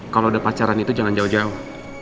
kalau ada pacaran itu jangan jauh jauh